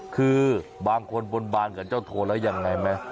คือบางคนบนบานกับเจ้าโทนแล้วยังไงไหม